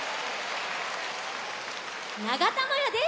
ながたまやです。